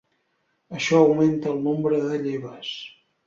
Això augmenta el nombre de lleves.